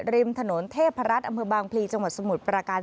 ริมถนนเทพรัฐอำเภอบางพลีจังหวัดสมุทรประการ